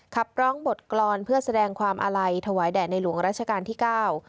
ขับร้องบทกรรมเพื่อแสดงความอาลัยถวายแด่ในหลวงราชการที่เก้า